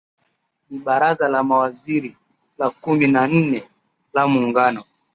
Ni Baraza la Mawaziri la kumi na nne la Muungano